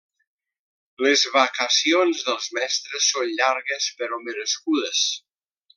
Les vacacions dels mestres són llargues però merescudes.